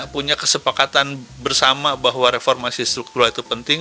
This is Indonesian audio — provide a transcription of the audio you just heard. punya kesepakatan bersama bahwa reformasi struktural itu penting